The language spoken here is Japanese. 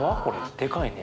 でかいね。